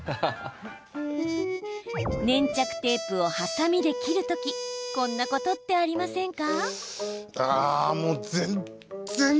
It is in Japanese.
テープをはさみで切る時こんなことってありませんか？